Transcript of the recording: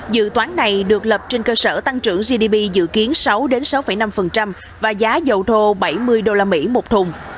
dự toán này được lập trên cơ sở tăng trưởng gdp dự kiến sáu sáu năm và giá dầu thô bảy mươi usd một thùng